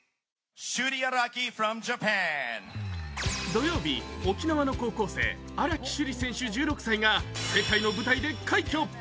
土曜日、沖縄の高校生・荒木珠里選手が世界の舞台で快挙。